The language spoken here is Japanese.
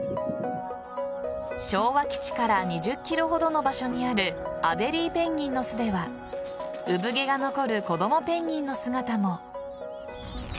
昭和基地から２０ｋｍほどの場所にあるアデリーペンギンの巣では産毛が残る子供ペンギンの姿も。